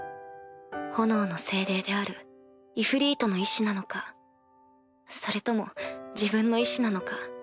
炎の精霊であるイフリートの意思なのかそれとも自分の意思なのか